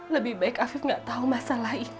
lebih baik afif gak tau masalah ini